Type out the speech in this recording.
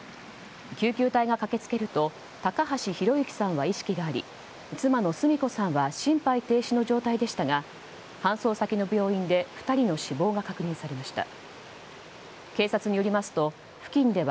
救急隊が駆け付けると高橋博幸さんは意識があり妻の澄子さんは心肺停止の状態でしたが搬送先の病院で２人の死亡が確認されました。